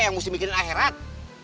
yang mesti mikirin akhirat